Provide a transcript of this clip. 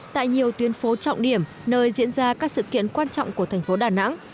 tại nhiều tuyến phố trọng điểm nơi diễn ra các sự kiện quan trọng của thành phố đà nẵng